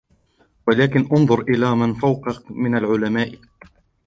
وَلَكِنْ اُنْظُرْ إلَى مَنْ فَوْقَك مِنْ الْعُلَمَاءِ